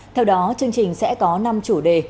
theo đó chương trình sẽ có năm chủ đề